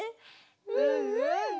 うんうん！